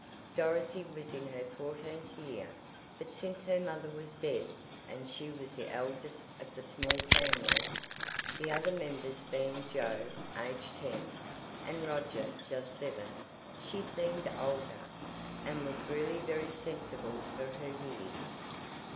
Dorothy was in her fourteenth year, but since her mother was dead, and she was the eldest of the small family (the other members being Joe, age ten, and Roger just seven), she seemed older, and was really very sensible for her years.